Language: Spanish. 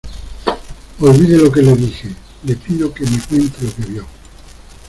olvide lo que le dije. le pido que me cuente lo que vio